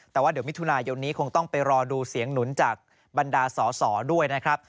แต่ว่าเดี๋ยวมิถุนายนนี้คงต้องไปรอดูเสียงหนุนจากบรรดาสอสอด้วยนะครับ